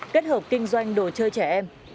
kết hợp kinh doanh đồ chơi trẻ em